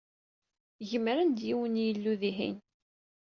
Gemren-d yiwen n yilu dihin.